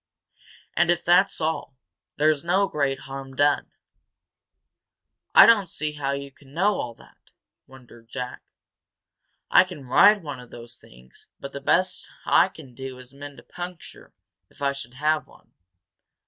And if that's all, there's no great harm done." "I don't see how you know all that!" wondered Jack. "I can ride one of those things, but the best I can do is mend a puncture, if I should have one."